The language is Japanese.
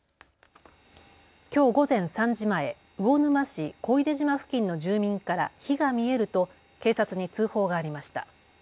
きょう午前３時前、魚沼市小出島付近の住民から火が見えると警察に通報がありました。